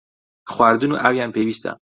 خواردن و ئاویان پێویستە.